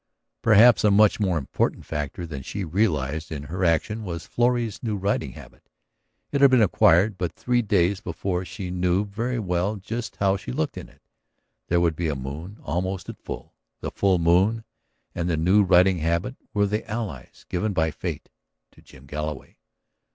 Perhaps a much more important factor than she realized in her action was Florrie's new riding habit. It had been acquired but three days before and she knew very well just how she looked in it. There would be a moon, almost at the full. The full moon and the new riding habit were the allies given by fate to Jim Galloway.